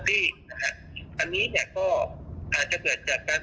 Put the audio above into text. เต้นผิดจังหวังกับกระทัดภัณฑ์